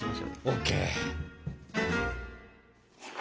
ＯＫ。